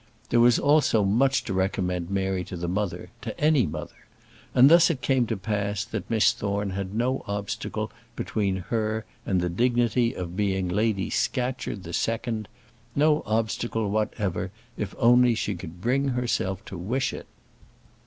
There was also much to recommend Mary to the mother, to any mother; and thus it came to pass, that Miss Thorne had no obstacle between her and the dignity of being Lady Scatcherd the second; no obstacle whatever, if only she could bring herself to wish it.